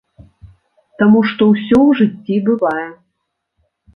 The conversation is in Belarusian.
Таму што ўсё ў жыцці бывае.